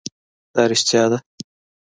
دا رښتیا ده